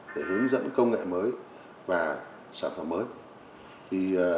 để hướng dẫn công nghệ mới và sản phẩm mới